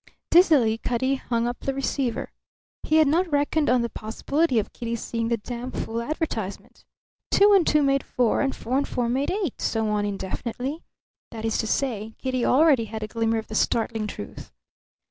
Dizzily Cutty hung up the receiver. He had not reckoned on the possibility of Kitty seeing that damfool advertisement. Two and two made four; and four and four made eight; so on indefinitely. That is to say, Kitty already had a glimmer of the startling truth.